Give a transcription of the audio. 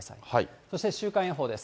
そして週間予報です。